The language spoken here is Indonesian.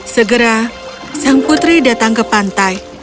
segera sang putri datang ke pantai